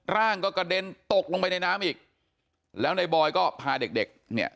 ร่างก็กระเด็นตกลงไปในน้ำอีกแล้วในบอยก็พาเด็กเด็กเนี่ย